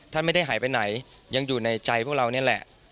ท่านไม่ได้หายไปไหนยังอยู่ในใจพวกเรานี่แหละ